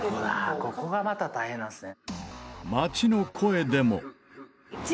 「ここがまた大変なんですね」